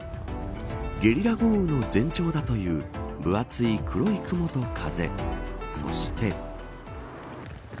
ゲリラ豪雨の前兆だという分厚い黒い雲と風そして。